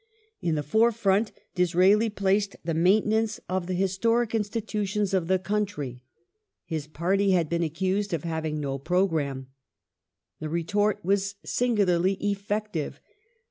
In the forefront Disraeli placed the maintenance of the historic institutions of the country. His party had been accused of having no programme. The retort was singularly effective.